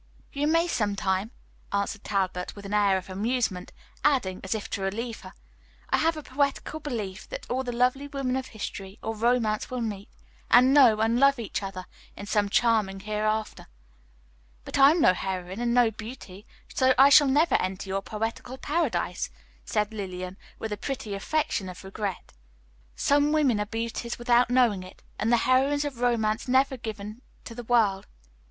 "You may sometime," answered Talbot, with an air of amusement; adding, as if to relieve her, "I have a poetical belief that all the lovely women of history or romance will meet, and know, and love each other in some charming hereafter." "But I'm no heroine and no beauty, so I shall never enter your poetical paradise," said Lillian, with a pretty affectation of regret. "Some women are beauties without knowing it, and the heroines of romances never given to the world.